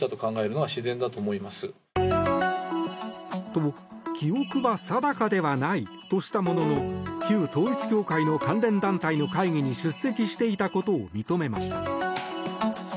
と、記憶は定かではないとしたものの旧統一教会の関連団体の会議に出席していたことを認めました。